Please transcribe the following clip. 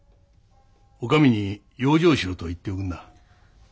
女将に養生しろと言っておくんな。